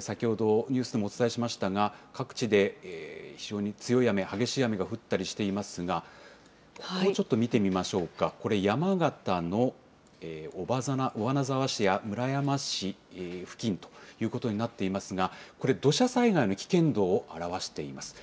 先ほどニュースでもお伝えしましたが、各地で非常に強い雨、激しい雨が降ったりしていますが、ここをちょっと見てみましょうか、これ、山形の尾花沢市や村山市付近ということになっていますが、これ、土砂災害の危険度を表しています。